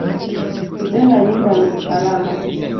Kujenga nyumba ni harama